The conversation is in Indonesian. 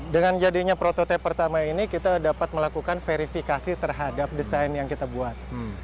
dengan jadinya prototipe pertama ini kita dapat melakukan verifikasi terhadap desain yang kita buat